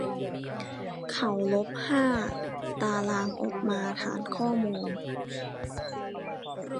เขาลบห้าตารางออกมาฐานข้อมูล